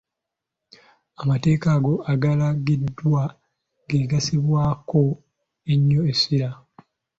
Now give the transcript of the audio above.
Amateeka ago agalagiddwa ge gassibwako ennyo essira.